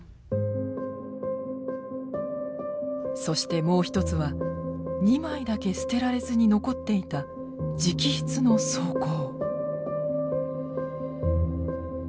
そしてもう一つは２枚だけ捨てられずに残っていた直筆の草稿。